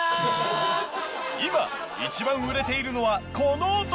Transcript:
今いちばん売れているのはこの男！